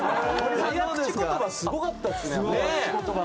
早口言葉すごかったですね。